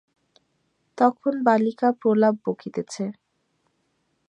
তখন বালিকা প্রলাপ বকিতেছে।